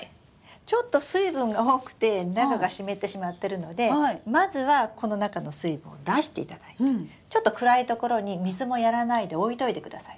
ちょっと水分が多くて中が湿ってしまってるのでまずはこの中の水分を出していただいてちょっと暗い所に水もやらないで置いといてください。